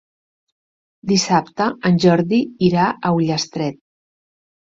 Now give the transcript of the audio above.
Dissabte en Jordi irà a Ullastret.